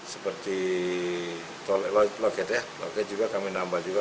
seperti loket ya loket juga kami nambah juga